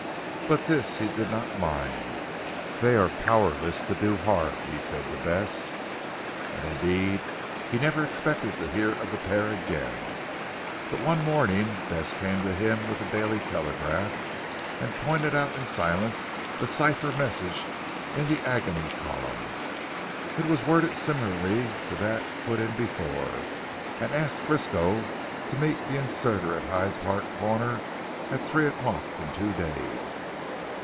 But this he did not mind. "They are powerless to do harm," he said to Bess. And indeed he never expected to hear of the pair again. But one morning Bess came to him with the Daily Telegraph and pointed out in silence a cipher message in the agony column. It was worded similarly to that put in before, and asked Frisco to meet the inserter at Hyde Park Corner at three o'clock in two days.